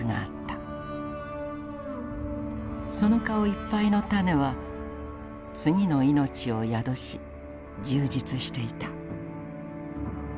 その顔一杯の種は次の生命を宿し充実していた」。